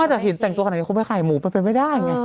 มาจากหินแต่งตัวแบบนี้เขาไปขายหมูเป็นไม่ได้